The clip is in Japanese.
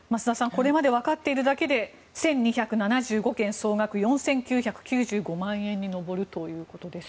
これまでわかっているだけで１２７５件総額４９９５万円に上るということです。